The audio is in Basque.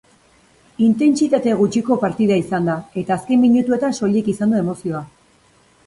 Intentsitate gutxiko partida izan da eta azken minutuetan soilik izan du emozioa.